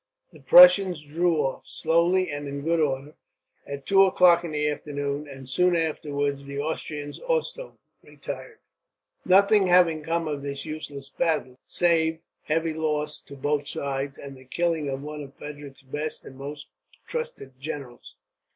The Prussians drew off, slowly and in good order, at two o'clock in the afternoon; and soon afterwards the Austrians also retired, nothing having come of this useless battle save heavy loss to both sides, and the killing of one of Frederick's best and most trusted generals.